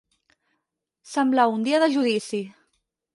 Semblar un dia de judici.